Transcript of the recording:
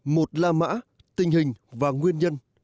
một là mã tình hình và nguyên nhân